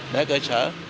đại là cơ sở